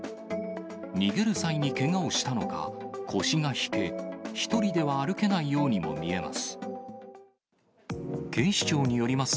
逃げる際にけがをしたのか、腰が引け、１人では歩けないようにも見えます。